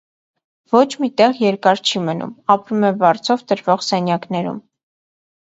Ոչ մի տեղ երկար չի մնում, ապրում է վարձով տրվող սենյակներում։